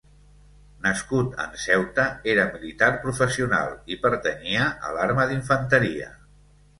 Nascut en Ceuta, era militar professional i pertanyia a l'arma d'infanteria.